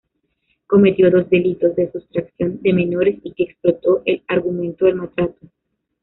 Cometió dos delitos de sustracción de menores y que explotó el argumento del maltrato.